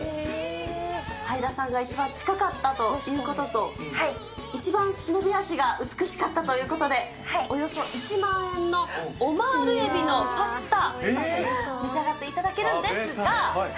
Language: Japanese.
はいださんが一番近かったということと、一番忍び足が美しかったということで、およそ１万円のオマール海老のパスタ、召し上がっていただけるんですが。